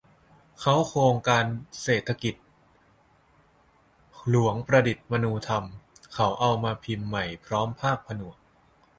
เค้าโครงการเศรษฐกิจ หลวงประดิษฐ์มนูธรรม - เขาเอามาพิมพ์ใหม่พร้อมภาคผนวก